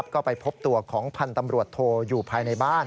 ก็ไปพบตัวของพันธ์ตำรวจโทอยู่ภายในบ้าน